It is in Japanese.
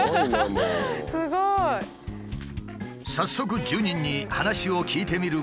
早速住人に話を聞いてみることに。